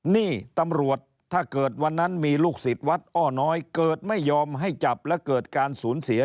นี่ตำรวจถ้าเกิดวันนั้นมีลูกศิษย์วัดอ้อน้อยเกิดไม่ยอมให้จับและเกิดการสูญเสีย